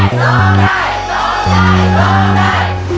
รองได้